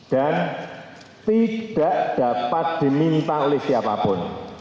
dan tidak dapat diminta oleh siapapun